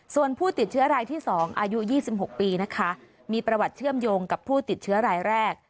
ส่วนผู้ติดเชื้อรายที่๒อายุ๒๖ปีนะคะมีประวัติเชื่อมโยงกับผู้ติดเชื้อรายแรก